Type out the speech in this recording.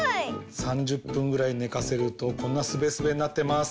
３０ぷんぐらいねかせるとこんなすべすべになってます。